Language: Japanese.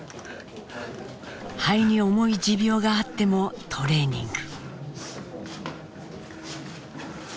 肺に重い持病があってもトレーニング。